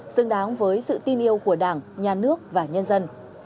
xứng đáng với sự tin yêu của đảng nhà nước và nhân dân